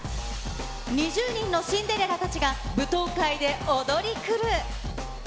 ２０人のシンデレラたちが、舞踏会で踊り狂う。